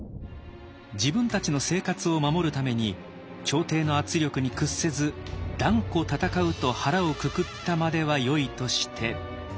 自分たちの生活を守るために朝廷の圧力に屈せず断固戦うと腹をくくったまではよいとして。